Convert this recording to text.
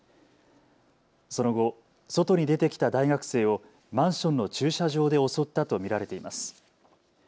その後、外に出てきた大学生をマンションの駐車場で襲ったと見られています。